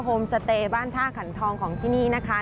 โฮมสเตย์บ้านท่าขันทองของที่นี่นะคะ